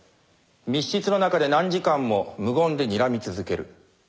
密室の中で何時間も無言でにらみ続ける。